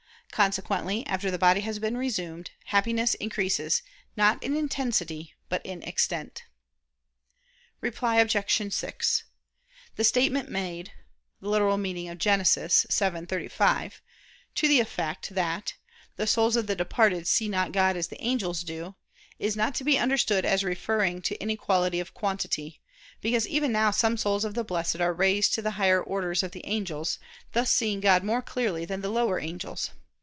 Consequently, after the body has been resumed, Happiness increases not in intensity, but in extent. Reply Obj. 6: The statement made (Gen. ad lit. xii, 35) to the effect that "the souls of the departed see not God as the angels do," is not to be understood as referring to inequality of quantity; because even now some souls of the Blessed are raised to the higher orders of the angels, thus seeing God more clearly than the lower angels.